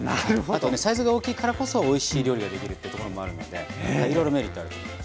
あとねサイズが大きいからこそおいしい料理ができるってところもあるのでいろいろメリットあると思います。